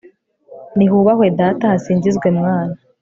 nihubahwe data, hasingizwe mwana